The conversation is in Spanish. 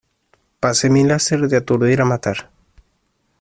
Pasé mi láser de aturdir a matar.